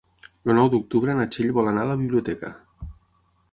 El nou d'octubre na Txell vol anar a la biblioteca.